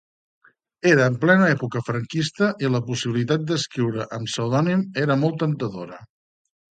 Era en plena època franquista i la possibilitat d'escriure amb pseudònim era molt temptadora.